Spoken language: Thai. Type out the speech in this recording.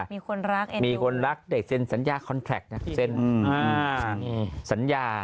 มีคนรักเด็กเซ็นสัญญาคอนแทรกสัญญา